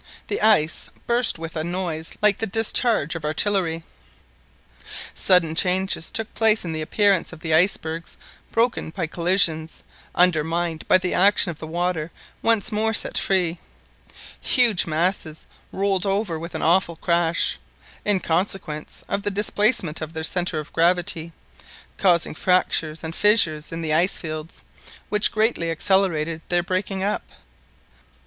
The ice burst with a noise like the discharge of artillery. Sudden changes took place in the appearance of the icebergs broken by collisions, undermined by the action of the water once more set free, huge masses rolled over with an awful crash, in consequence of the displacement of their centre of gravity, causing fractures and fissures in the ice fields which greatly accelerated their breaking up.